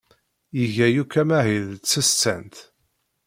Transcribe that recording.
Iga yakk amahil d tsestant.